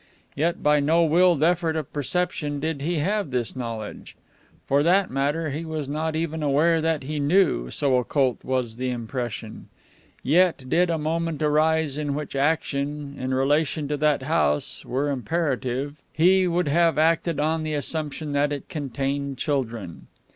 Yet by no willed effort of perception did he have this knowledge. For that matter, he was not even aware that he knew, so occult was the impression. Yet, did a moment arise in which action, in relation to that house, were imperative, he would have acted on the assumption that it contained children.